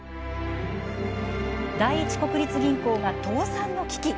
第一国立銀行が倒産の危機。